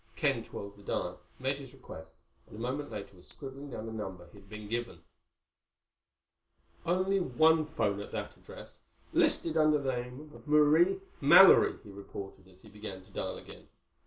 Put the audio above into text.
Ken twirled the dial, made his request, and a moment later was scribbling down the number he had been given. "Only one phone at that address, listed under the name of Marie Mallory," he reported, as he began to dial again.